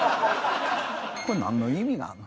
これなんの意味があんの？